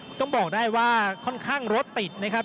ต้องบอกได้ว่าค่อนข้างรถติดนะครับ